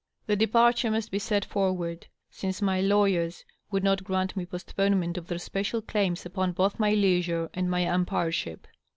The departure must be set forward, since my lawyers would not grant me postponement of their special claims upon both my leisure and my um^ pireship.